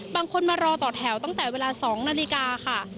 มารอต่อแถวตั้งแต่เวลา๒นาฬิกาค่ะ